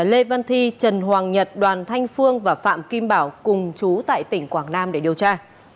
lê văn thi trần hoàng nhật đoàn thanh phương và phạm kim bảo cùng chú tại tỉnh quảng nam để điều tra